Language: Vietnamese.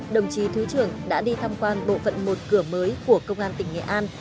đồng chí thứ trưởng đã đi tham quan bộ phận một cửa mới của công an tỉnh nghệ an